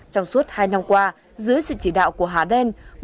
trong suốt hai năm qua dưới sự chỉ đạo của hà đen